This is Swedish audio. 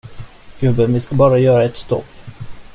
Gubben, vi ska bara göra ett stopp.